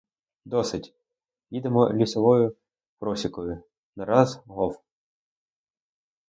Досить: їдемо лісовою просікою, нараз — гов!